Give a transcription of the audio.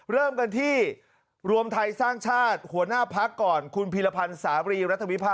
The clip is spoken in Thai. เริ่มกันที่รวมไทยสร้างชาติหัวหน้าพักก่อนคุณพีรพันธ์สารีรัฐวิพาท